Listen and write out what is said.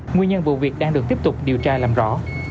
nguyên nhân vụ việc đang được tiếp tục điều tra làm rõ